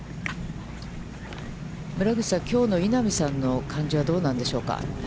村口さん、きょうの稲見さんの感じはどうなんでしょうか。